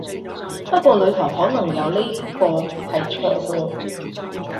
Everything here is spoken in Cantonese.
不過裡頭可能有呢個係錯個